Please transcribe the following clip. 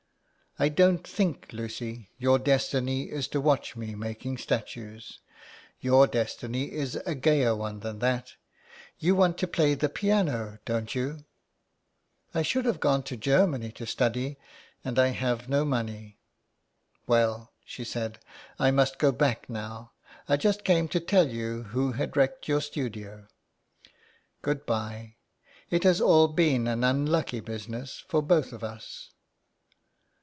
*' I don't think, Lucy, your destiny is to watch me 25 IN THE CLAY. making statues. Your destiny is a gayer one than that. You want to play the piano, don't you ?'*" I should have to go to Germany to study, and I have no money. Well," she said, " I must go back now. I just came to tell you who had wrecked your studio. Good bye. It has all been an unlucky busi ness for both of us."